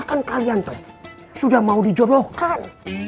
bahkan kalian tuh sudah mau di jodohkan